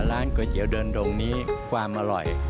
ร้านก๋วยเตี๋ยวเดินดงนี้ความอร่อย